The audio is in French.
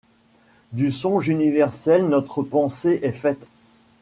Du songe universel notre pensée est faite ;